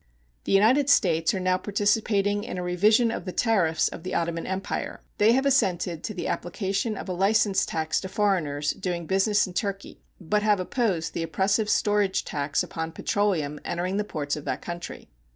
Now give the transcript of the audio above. The United States are now participating in a revision of the tariffs of the Ottoman Empire. They have assented to the application of a license tax to foreigners doing business in Turkey, but have opposed the oppressive storage tax upon petroleum entering the ports of that country.